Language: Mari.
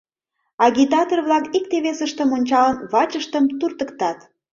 Агитатор-влак, икте-весыштым ончалын, вачыштым туртыктат.